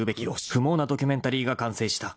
［不毛なドキュメンタリーが完成した］